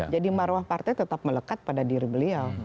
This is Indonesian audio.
jadi marwah partai tetap melekat pada diri beliau